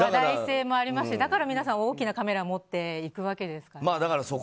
話題性もありますしだから皆さん、大きなカメラを持っていくわけですから。